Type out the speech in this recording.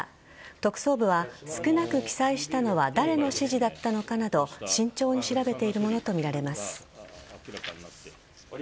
特捜部は、少なく記載したのは誰の指示だったのかなど慎重に調べているものとみられます。